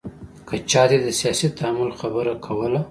که چاته دې د سیاسي تحمل خبره کوله.